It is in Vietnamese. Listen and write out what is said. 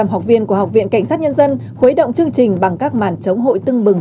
một trăm linh học viên của học viện cảnh sát nhân dân khuấy động chương trình bằng các màn chống hội tưng bừng